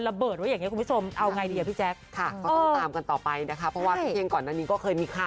แต่ยังไม่ได้ฉายหนังพี่หม่ำนี้แหละค่ะ